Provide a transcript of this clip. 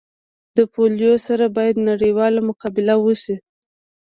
د پولیو سره باید نړیواله مقابله وسي